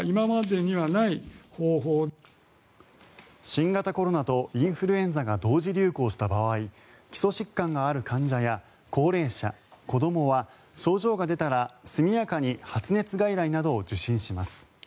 新型コロナとインフルエンザが同時流行した場合基礎疾患がある患者や高齢者、子どもは症状が出たら速やかに発熱外来などを受診します。